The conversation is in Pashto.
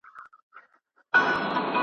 پر هر میدان دي بری په شور دی `